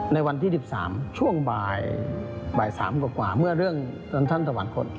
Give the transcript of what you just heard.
ในวันที่๑๓ช่วงบ่าย๓กว่าเมื่อเรื่องจนท่านสวรรคต